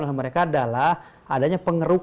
oleh mereka adalah adanya pengaruh